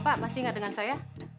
bapak masih gak dengan saya